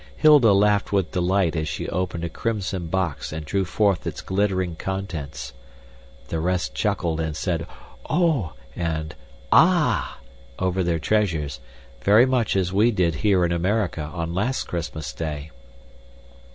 Hilda laughed with delight as she opened a crimson box and drew forth its glittering contents. The rest chuckled and said "Oh!" and "Ah!" over their treasures, very much as we did here in America on last Christmas Day.